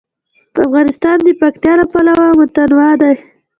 افغانستان د پکتیا له پلوه متنوع دی.